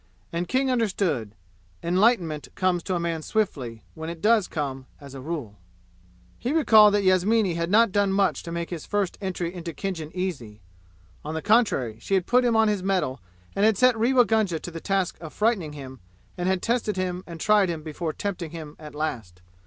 And King understood. Enlightenment comes to a man swiftly, when it does come, as a rule. He recalled that Yasmini had not done much to make his first entry into Khinjan easy. On the contrary, she had put him on his mettle and had set Rewa Gunga to the task of frightening him and had tested him and tried him before tempting him at last.